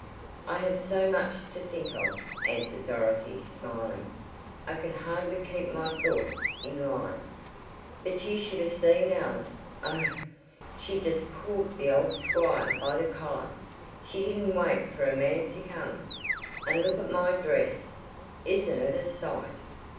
"I have so much to think of," answered Dorothy, smiling. "I can hardly keep my thoughts in line." "But you should have seen Alice Oh, she just pulled the old squire by the collar. She didn't wait for a man to come. And look at my dress! Isn't it a sight?